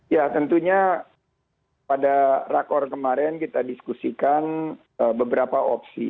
ya tentunya pada rakor kemarin kita diskusikan beberapa opsi